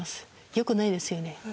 良くないですよね。